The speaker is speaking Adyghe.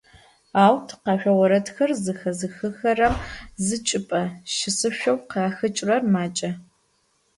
Ау тикъэшъо орэдхэр зэхэзыхыхэрэм зычӏыпӏэ щысышъоу къахэкӏырэр макӏэ.